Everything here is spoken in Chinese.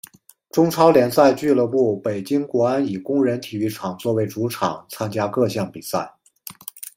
中超联赛俱乐部北京国安以工人体育场作为主场参加各项比赛。